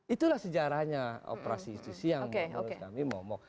itulah sejarahnya operasi justisi yang menurut kami momok